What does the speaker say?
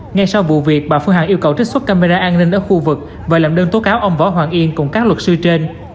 ngay sau vụ việc bà phương hằng yêu cầu trích xuất camera an ninh ở khu vực và làm đơn tố cáo ông võ hoàng yên cùng các luật sư trên